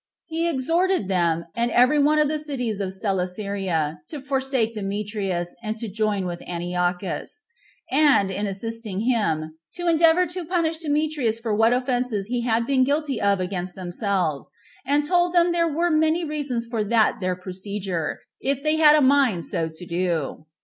He exhorted them, and every one of the cities of Celesyria, to forsake Demetrius, and to join with Antiochus; and, in assisting him, to endeavor to punish Demetrius for what offenses he had been guilty of against themselves; and told them there were many reasons for that their procedure, if they had a mind so to do.